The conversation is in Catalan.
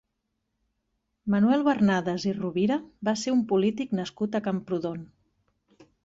Manuel Bernades i Rovira va ser un polític nascut a Camprodon.